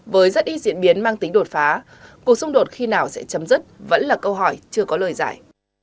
với rất ít diễn biến mang tính đột phá cuộc xung đột khi nào sẽ chấm dứt vẫn là câu hỏi chưa có lời giải